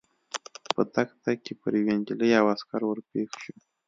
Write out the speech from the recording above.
په تګ تګ کې پر یوې نجلۍ او عسکر ور پېښ شوو.